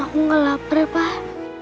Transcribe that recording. aku gak lapar pak